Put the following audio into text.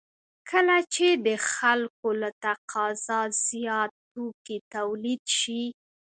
کله چې د خلکو له تقاضا زیات توکي تولید شي